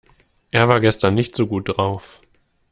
Er war gestern nicht so gut drauf.